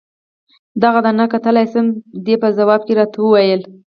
دغه دانه کتلای شم؟ دې په ځواب کې راته وویل.